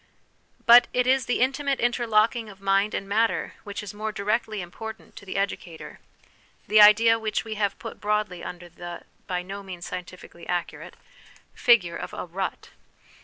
But it is the intimate interlocking of mind and matter which is more directly important to the educator the idea which we have put broadly under the (by no means scientifically accurate) figure of Il8 HOME EDUCATION a rut.